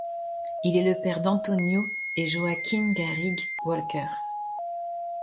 Il est le père d'Antonio et Joaquín Garrigues Walker.